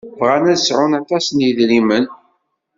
Bɣan ad sɛun aṭas n yedrimen.